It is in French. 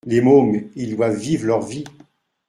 Les mômes ils doivent vivre leur vie